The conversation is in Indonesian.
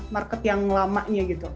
market yang lamanya gitu